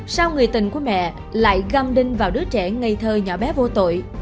sao người tình của mẹ lại gam đinh vào đứa trẻ ngây thơ nhỏ bé vô tội